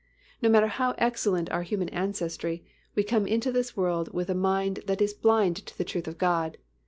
No matter how excellent our human ancestry, we come into this world with a mind that is blind to the truth of God.